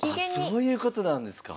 あそういうことなんですか。